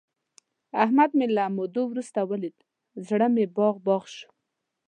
احمد مې له مودو ورسته ولید، زړه مې باغ باغ شو.